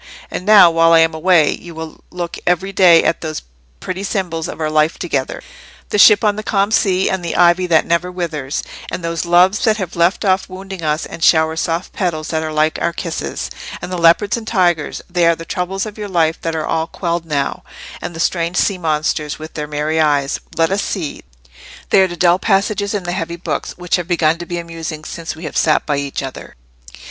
And now, while I am away, you will look every day at those pretty symbols of our life together—the ship on the calm sea, and the ivy that never withers, and those Loves that have left off wounding us and shower soft petals that are like our kisses; and the leopards and tigers, they are the troubles of your life that are all quelled now; and the strange sea monsters, with their merry eyes—let us see—they are the dull passages in the heavy books, which have begun to be amusing since we have sat by each other."